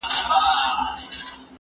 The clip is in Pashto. زه به سبا کالي وچوم!!